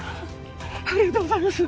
ありがとうございます。